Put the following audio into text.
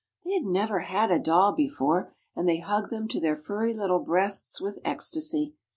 They had never had a doll before, and they hugged them to their little furry breasts with ecstasy.